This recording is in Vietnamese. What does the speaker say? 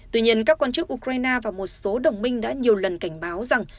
tuy nhiên các quan chức ukraine và một số đồng minh đã nhiều lần cảnh báo rằng